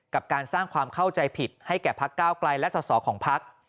กับการสร้างความเข้าใจผิดให้แก่พักก้าวไกลและสอสอของพัก